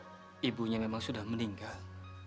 kalau ibunya memang sudah meninggal